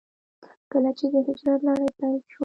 کله چې د هجرت لړۍ پيل شوه.